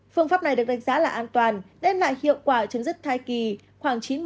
phương pháp này được đánh giá là an toàn đem lại hiệu quả chấm dứt thai kỳ khoảng chín mươi